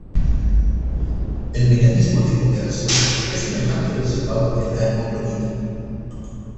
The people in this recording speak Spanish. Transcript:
El mecanismo de cooperación es semejante al observado en la hemoglobina.